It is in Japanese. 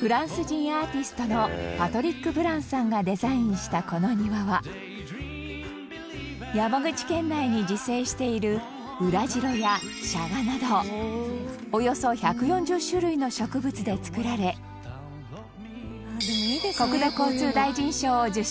フランス人アーティストのパトリック・ブランさんがデザインした、この庭は山口県内に自生しているウラジロやシャガなどおよそ１４０種類の植物で作られ国土交通大臣賞を受賞